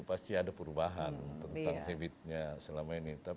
pasti ada perubahan tentang habitnya selama ini